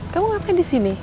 kamu ngapain disini